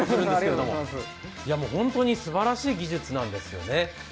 本当にすばらしい技術なんですよね。